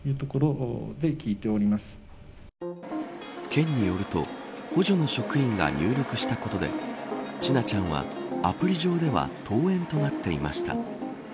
県によると補助の職員が入力したことで千奈ちゃんは、アプリ上では登園となっていました。